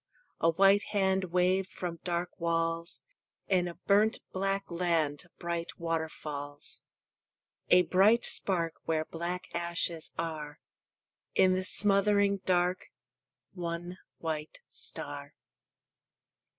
A white hand Waved from dark walls; In a burnt black land Bright waterfalls. A bright spark Where black ashes are; In the smothering dark One white star.